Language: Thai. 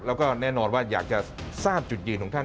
แล้วก็แน่นอนว่าอยากจะทราบจุดยืนของท่าน